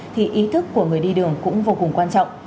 thì ý thức của người đi đường cũng vô cùng quan trọng